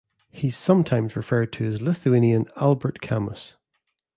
He's sometimes referred to as Lithuanian Albert Camus.